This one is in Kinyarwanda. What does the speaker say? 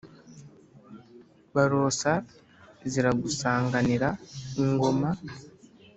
Barosa ziragusanganira ingoma.